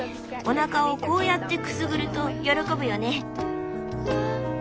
おなかをこうやってくすぐると喜ぶよね。